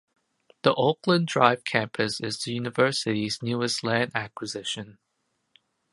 The Oakland Drive Campus is the university's newest land acquisition.